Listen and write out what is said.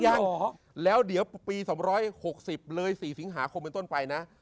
ยังแล้วเดี๋ยวปี๒๖๐เลย๔สิงหาคมเป็นต้นไปนะ